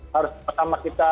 harus pertama kita